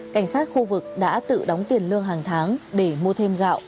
cảnh sát khu vực đã tự đóng tiền lương hàng tháng để mua thêm gạo